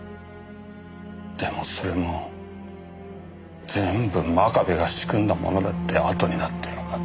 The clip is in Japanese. でもそれも全部真壁が仕組んだものだってあとになってわかって。